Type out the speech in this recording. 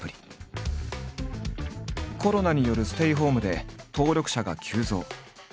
コロナによるステイホームで登録者が急増。